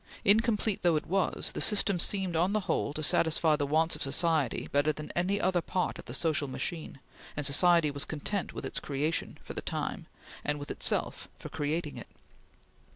Incomplete though it was, the system seemed on the whole to satisfy the wants of society better than any other part of the social machine, and society was content with its creation, for the time, and with itself for creating it.